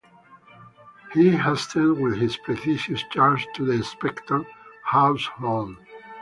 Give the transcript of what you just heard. He hastens with his precious charge to the expectant household.